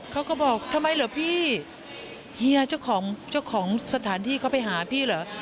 เขาก็บอกทำไมเหรอพี่เฮียเจ้าของเจ้าของสถานที่เขาไปหาพี่เหรอ